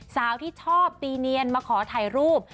สาวที่ชอบตีเนียนมาขอถ่ายรูป